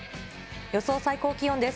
予想最高気温です。